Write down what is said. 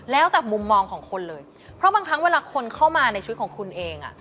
แล้วแต่มุมมองของคนเลยเพราะบางครั้งเวลาคนเข้ามาในชีวิตของคุณเองอ่ะ